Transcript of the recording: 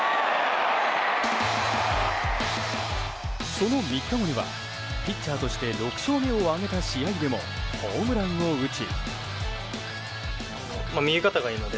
その３日後にはピッチャーとして６勝目を挙げた試合でもホームランを打ち。